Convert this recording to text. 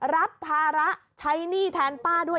รับภาระใช้หนี้แทนป้าด้วย